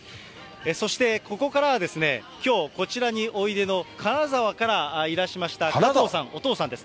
そして、ここからは、きょうこちらにおいでの金沢からいらっしゃいましたお父さんです。